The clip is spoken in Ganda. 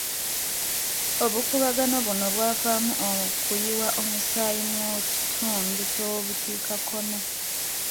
Obukuubagano buno bwavaamu okuyiwa omusaayi mu kitundu ky'obukiikakkono.